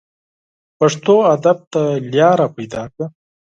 پښتو ادب ته لاره پیدا کړه